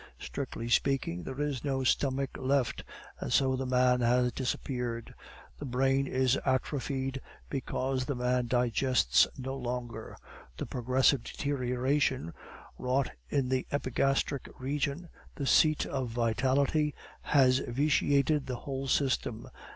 Strictly speaking, there is no stomach left, and so the man has disappeared. The brain is atrophied because the man digests no longer. The progressive deterioration wrought in the epigastric region, the seat of vitality, has vitiated the whole system.